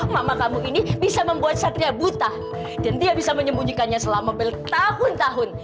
mama kamu ini bisa membuat satria buta dan dia bisa menyembunyikannya selama bertahun tahun